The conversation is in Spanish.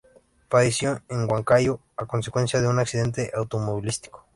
Falleció en Huancayo a consecuencia de un accidente automovilístico.